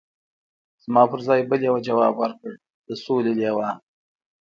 زما پر ځای بل یوه ځواب ورکړ: د سولې لوا.